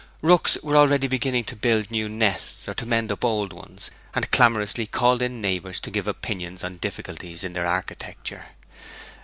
Rooks were already beginning to build new nests or to mend up old ones, and clamorously called in neighbours to give opinions on difficulties in their architecture.